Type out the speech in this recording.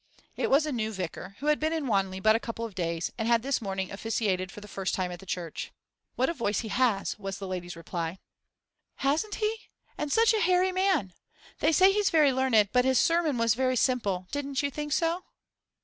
It was a new vicar, who had been in Wanley but a couple of days, and had this morning officiated for the first time at the church. 'What a voice he has!' was the lady's reply. 'Hasn't he? And such a hairy man! They say he's very learned; but his sermon was very simple didn't you think so?